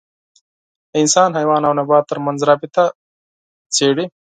د انسان، حیوان او نبات تر منځ رابطه څېړي.